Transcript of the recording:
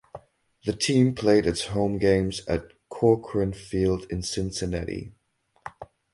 The team played its home games at Corcoran Field in Cincinnati.